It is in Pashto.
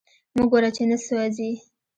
مه ګوره چی نه سوازی